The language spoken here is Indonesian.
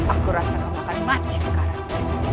aku rasa kau akan mati sekarang